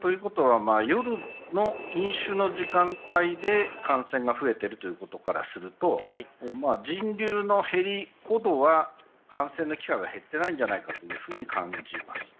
ということは夜の飲酒の時間帯で感染が増えているということからすると人流の減りほどは感染の機会は減っていないんじゃないかと感じます。